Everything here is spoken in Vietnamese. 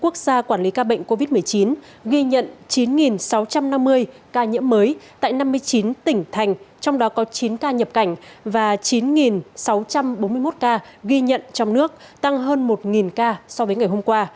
quốc gia quản lý ca bệnh covid một mươi chín ghi nhận chín sáu trăm năm mươi ca nhiễm mới tại năm mươi chín tỉnh thành trong đó có chín ca nhập cảnh và chín sáu trăm bốn mươi một ca ghi nhận trong nước tăng hơn một ca so với ngày hôm qua